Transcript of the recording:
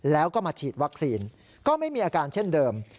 แล้วก็มาฉีดวัคซีนก็ไม่มีอาการเช่นเดิม